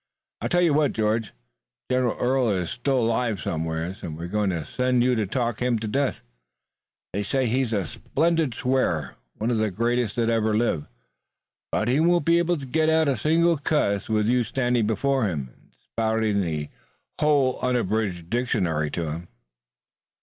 "I tell you what, George, General Early is still alive somewhere, and we're going to send you to talk him to death. They say he's a splendid swearer, one of the greatest that ever lived, but he won't be able to get out a single cuss, with you standing before him, and spouting the whole unabridged dictionary to him."